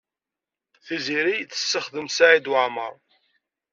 Tiziri tessexdem Saɛid Waɛmaṛ.